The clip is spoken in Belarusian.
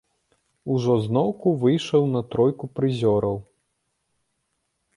Ужо зноўку выйшаў на тройку прызёраў.